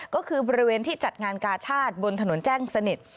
ก็คือบริเวณที่จัดงานกาชาติบนถนนแจ้งสนิท